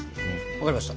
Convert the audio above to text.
分かりました。